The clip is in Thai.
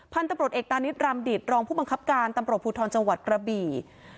พันธุ์ตำรวจเอกตานิดรำดิตรองผู้บังคับการตำรวจภูทรจังหวัดกระบี่